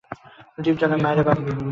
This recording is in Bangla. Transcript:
ডিপজলের মায়রে বাপ।